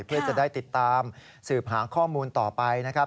เพื่อจะได้ติดตามสืบหาข้อมูลต่อไปนะครับ